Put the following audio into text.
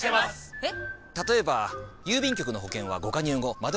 えっ⁉